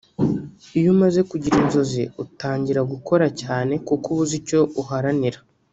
iyo umaze kugira inzozi utangira gukora cyane kuko uba uzi icyo uharanira